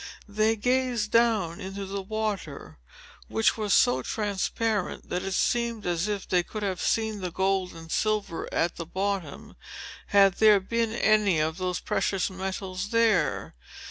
They gazed down into the water, which was so transparent that it seemed as if they could have seen the gold and silver at the bottom, had there been any of those precious metals there.